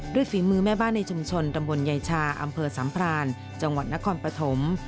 ฝีมือแม่บ้านในชุมชนตำบลยายชาอำเภอสัมพรานจังหวัดนครปฐม